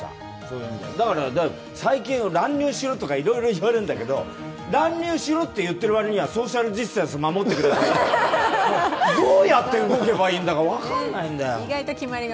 最近、乱入しろとかいろいろ言われるんだけど乱入しろって言ってる割にはソーシャルディスタンス守ってくださいってどうやって動けばいいんだか分からないんだよ。